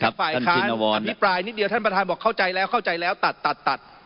ฝ่ายค้านอภิปรายนิดเดียวท่านประธานบอกเข้าใจแล้วเข้าใจแล้วตัดตัด